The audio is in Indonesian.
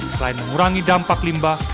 selain mengurangi dampak limbah